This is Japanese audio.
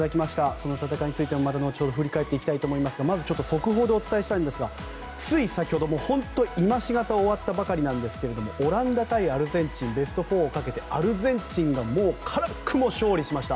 その戦いについてはまた後ほど振り返っていきますがまず速報でお伝えしたいんですがつい先ほど本当に今しがた終わったばかりなんですがオランダ対アルゼンチンベスト４をかけてアルゼンチンが辛くも勝利しました。